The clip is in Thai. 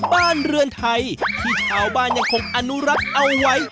บ้านเรือนไทยที่ชาวบ้านยังคงอนุรักษ์เอาไว้